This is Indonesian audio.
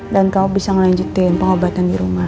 dan kau bisa ngelanjutin pengobatan dirumah